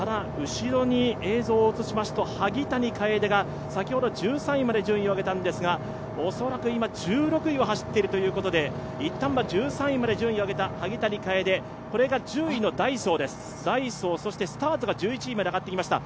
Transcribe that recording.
後ろに映像を移しますと萩谷楓が先ほど１３位まで順位を上げたんですが恐らく今、１６位を走っているということで、いったんは１３位まで順位を上げた萩谷楓、これが１０位のダイソーです、スターツが１１位まで上がってきました。